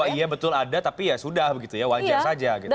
oh iya betul ada tapi ya sudah begitu ya wajar saja gitu